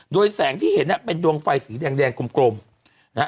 โดยแสงที่เห็นเป็นดวงไฟสีแดงแดงกลมนะฮะ